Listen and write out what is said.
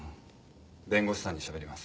弁護士さんに喋ります。